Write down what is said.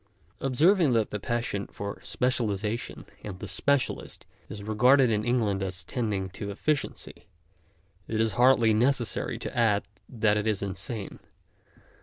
Observing that the passion for specializa tion and the specialist is regarded in England as tending to efficiency, it is hardly necessary to add that it is insane.